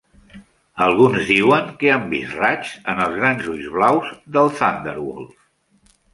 Alguns diuen que han vist raigs en els grans ulls blaus del ThunderWolf.